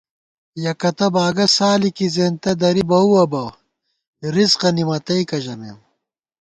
یکَتہ باگہ سالِکی، زېنتہ دری بَؤوَہ بہ، رِزقہ نِمَتَئیکہ ژمېم